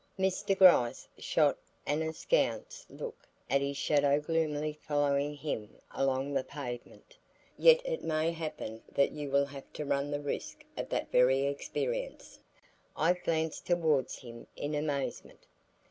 Mr. Gryce shot an askance look at his shadow gloomily following him along the pavement. "Yet it may happen that you will have to run the risk of that very experience." I glanced towards him in amazement.